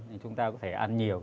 thì chúng ta có thể ăn nhiều